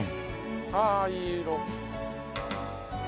ああいい色。